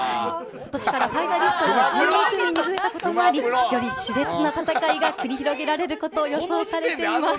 ことしからファイナリストが１２組に増えたこともあり、よりしれつな戦いが繰り広げられること、予想されています。